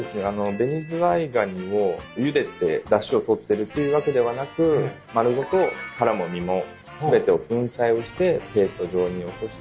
ベニズワイガニをゆでてだしをとってるっていうわけではなく丸ごと殻も身も全てを粉砕をしてペースト状にして味を出してます。